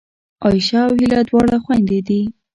عایشه او هیله دواړه خوېندې دي